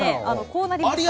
こうなりました。